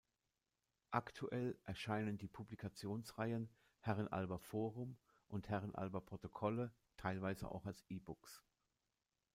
Aktuell erscheinen die Publikationsreihen „Herrenalber Forum“ und „Herrenalber Protokolle“, teilweise auch als E-Books.